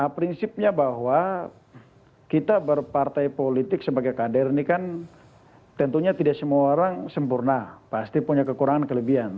prinsipnya bahwa kita berpartai politik sebagai kader ini kan tentunya tidak semua orang sempurna pasti punya kekurangan kelebihan